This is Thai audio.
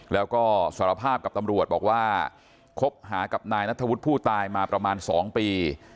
แล้วก็สารภาพกับตำรวจบอกว่าคบหากับนายนัทธวุฒิผู้ตายมาประมาณ๒ปี